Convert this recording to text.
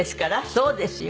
そうですよ。